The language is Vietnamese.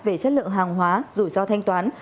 về chất lượng hàng hóa rủi ro thanh toán